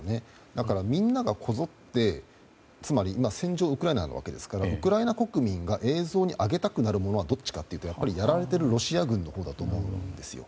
だから、みんながこぞってつまり戦場はウクライナなわけですからウクライナ国民が映像に上げたくなるものはどっちかというとやられているロシア軍のほうだと思うんですよ。